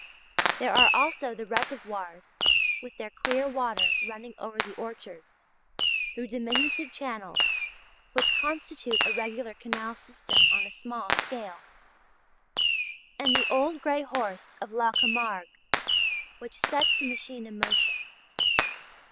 There are also the reservoirs with their clear water running over the orchards through diminutive channels which constitute a regular canal system on a small scale; and the old grey horse of "la Camargue" which sets the machine in motion.